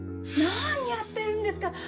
何やってるんですか？